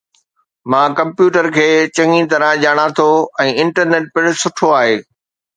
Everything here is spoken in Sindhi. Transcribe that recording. مان ڪمپيوٽر کي چڱي طرح ڄاڻان ٿو ۽ انٽرنيٽ پڻ سٺو آهي